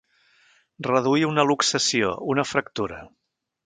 Reduir una luxació, una fractura.